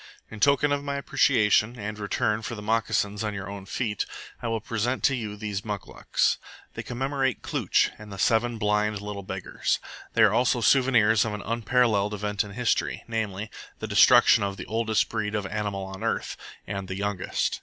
In token of my appreciation, and in return for the moccasins on your own feet, I will present to you these muclucs. They commemorate Klooch and the seven blind little beggars. They are also souvenirs of an unparalleled event in history, namely, the destruction of the oldest breed of animal on earth, and the youngest.